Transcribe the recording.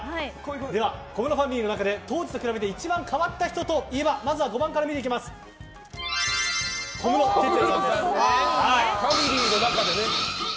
では小室ファミリーの中で当時と比べて一番変わった人といえばまず５番は小室哲哉さんです。